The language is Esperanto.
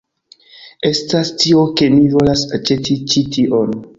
estas tio, ke mi volas aĉeti ĉi tion.